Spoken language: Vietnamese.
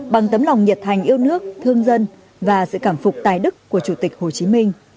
bằng tấm lòng nhiệt thành yêu nước thương dân và sự cảm phục tài đức của chủ tịch hồ chí minh